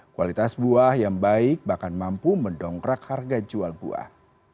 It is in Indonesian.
kualitas buah yang baik bahkan mampu mendongkrak harga jual buah